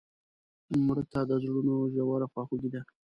مړه ته د زړونو ژوره خواخوږي ده